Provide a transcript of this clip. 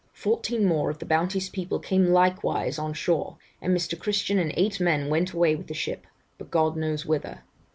Fourteen more of the Bounty's people came likewise on shore, and Mr. Christian and eight men went away with the ship, but God knows whither.